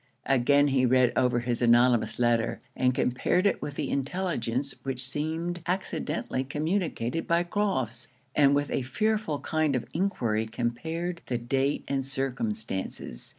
Again he read over his anonymous letter, and compared it with the intelligence which seemed accidentally communicated by Crofts; and with a fearful kind of enquiry compared the date and circumstances.